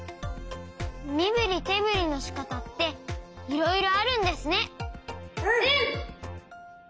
みぶりてぶりのしかたっていろいろあるんですね。